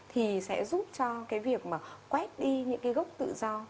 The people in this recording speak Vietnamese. thì sẽ giúp cho cái việc mà quét đi những cái gốc tự do